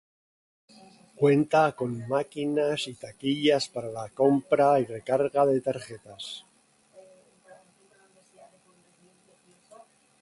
Cuenta con máquinas y taquillas para la compra y recarga de tarjetas.